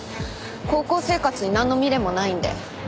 高校生活になんの未練もないんで。